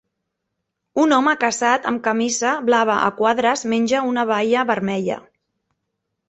Un home casat amb camisa blava a quadres menja una baia vermella.